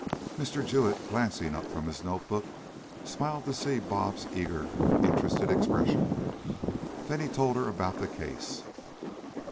Mr. Jewett, glancing up from his note book, smiled to see Bobs' eager, interested expression. Then he told her about the case.